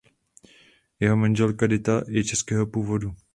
Jeho manželka Dita je českého původu.